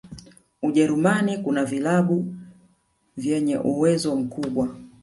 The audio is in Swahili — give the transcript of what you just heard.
ujerumani kuna vilab vyenye uwezo mkubwa